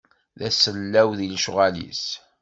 D asellaw di lecɣal-is.